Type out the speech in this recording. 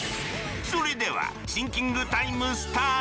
それではシンキングタイムスタート！